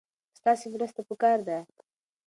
ستاسې مرسته پکار ده.